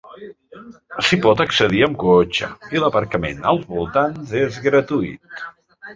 S'hi pot accedir amb cotxe i l'aparcament als voltants és gratuït.